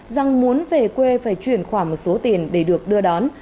rằng muốn về quê phải chuyển khoản một số tiền để được đưa đón